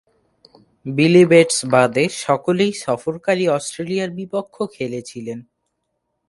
বিলি বেটস বাদে সকলেই সফরকারী অস্ট্রেলিয়ার বিপক্ষ খেলেছিলেন।